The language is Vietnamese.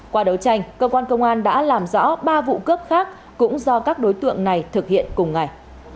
qua đấu tranh cơ quan công an đã làm rõ ba vụ cướp khác cũng do các đối tượng này thực hiện cùng ngày